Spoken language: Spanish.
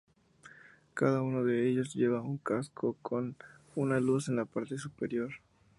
Cada uno de ellos lleva un casco con una luz en la parte superior.